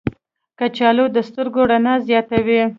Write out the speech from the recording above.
کچالو د سترګو رڼا زیاتوي.